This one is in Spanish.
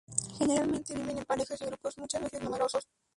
Generalmente viven en parejas y en grupos muchas veces numerosos.